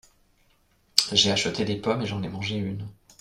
J’ai acheté des pommes et j’en ai mangé une.